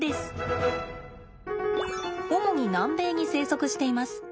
主に南米に生息しています。